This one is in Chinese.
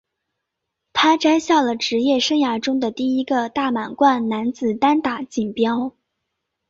他摘下了职业生涯中的第一个大满贯男子单打锦标。